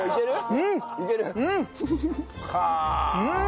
うん！